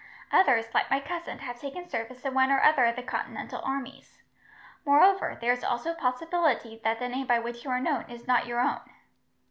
Others, like my cousin, have taken service in one or other of the continental armies. Moreover, there is also a possibility that the name by which you are known is not your own."